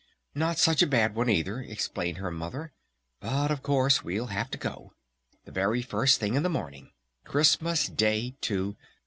"Not such a bad one, either," explained her Mother. "But of course we'll have to go! The very first thing in the morning! Christmas Day, too!